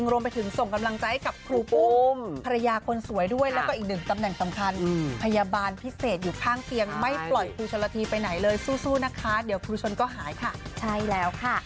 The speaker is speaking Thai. เรียกว่าเบลอด้วยฤทธิ์ของยา